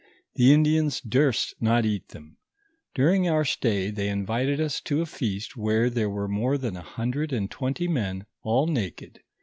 The Indians durst not eat them. During our stay, they invited us to a feast where there were more than a hundred and twenty men all naked.